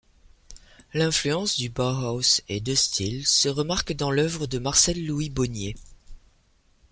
L'influence du Bauhaus et De Stijl se remarquent dans l'œuvre de Marcel-Louis Baugniet.